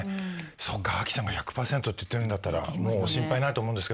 そうかＡＫＩさんが１００％って言ってるんだったらもう心配ないと思うんですけど小早川さん